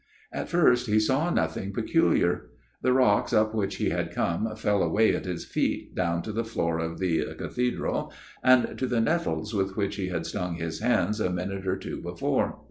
" At first he saw nothing peculiar. The rocks up which he had come fell away at his feet down to the floor of the ' Cathedral ' and to the nettles with which he had stung his hands a minute or two before.